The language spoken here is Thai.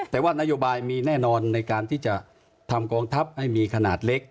แต่ว่านโยบายมีแน่นอนในการที่จะทำกองทัพให้มีขนาดเล็ก